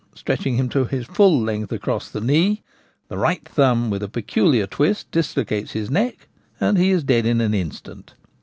Stretching him to his full length across the knee, the right thumb, with a pecu liar twist, dislocates his neck, and he is dead in an instant.